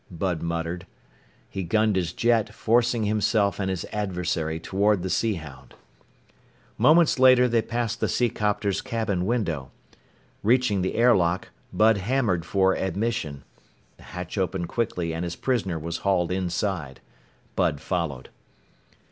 Bud muttered. He gunned his jet, forcing himself and his adversary toward the Sea Hound. Moments later, they passed the seacopter's cabin window. Reaching the air lock, Bud hammered for admission. The hatch opened quickly and his prisoner was hauled inside. Bud followed.